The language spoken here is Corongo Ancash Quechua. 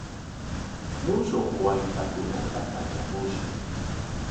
Mushkuq waytakunata pallamushun.